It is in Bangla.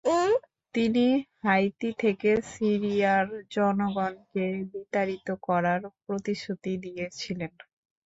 তিনি হাইতি থেকে সিরিয়ার জনগণকে বিতাড়িত করার প্রতিশ্রুতি দিয়েছিলেন।